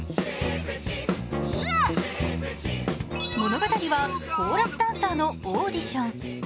物語はコーラスダンサーのオーディション。